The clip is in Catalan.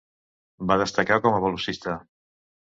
Va destacar com a velocista.